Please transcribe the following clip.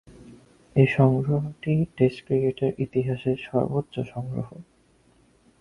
এ সংগ্রহটি টেস্ট ক্রিকেটের ইতিহাসের সর্বোচ্চ সংগ্রহ।